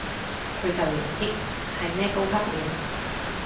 佢就型啲，係咩高級面